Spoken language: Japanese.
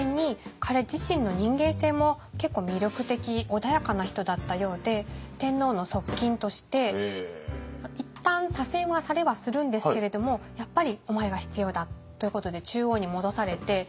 穏やかな人だったようで天皇の側近としていったん左遷はされはするんですけれどもやっぱりお前が必要だということで中央に戻されて。